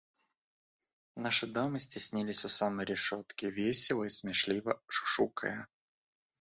Наши дамы стеснились у самой решетки, весело и смешливо шушукая.